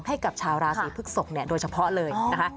ให้กับชาวราศีพฤกษกโดยเฉพาะเลยนะคะ